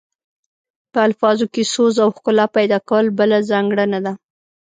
په الفاظو کې سوز او ښکلا پیدا کول بله ځانګړنه ده